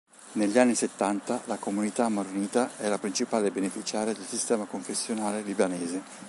Negli anni settanta, la comunità maronita è la principale beneficiaria del sistema confessionale libanese.